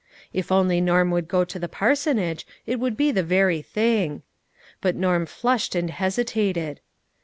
If only Norm would go to the parsonage it would be the very thing. But Norm flushed and hesi tated.